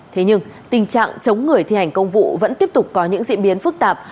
thế nhưng tình trạng chống người thi hành công vụ vẫn tiếp tục có những diễn biến phức tạp